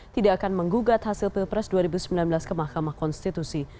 tidak akan menggugat hasil pilpres dua ribu sembilan belas ke mahkamah konstitusi